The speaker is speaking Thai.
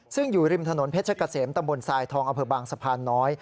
ซึ่งอยู่ริมถนนเพชรกระเสมตำบลทรายทองอบสะพานน้อย